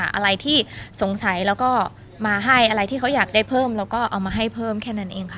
อะไรที่สงสัยแล้วก็มาให้อะไรที่เขาอยากได้เพิ่มแล้วก็เอามาให้เพิ่มแค่นั้นเองค่ะ